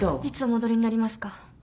いつお戻りになりますか？